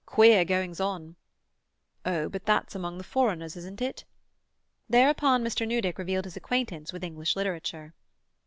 "Queer goings on." "Oh, but that's among the foreigners, isn't it?" Thereupon Mr. Newdick revealed his acquaintance with English literature.